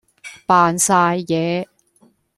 扮曬嘢